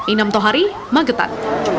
inam tohari magetan